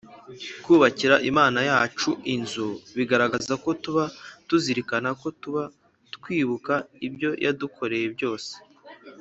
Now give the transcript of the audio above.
kubakira Imana yacu inzu bigaragaza ko tuba tuzirikana ko tuba twibuka ibyo yadukoreye byose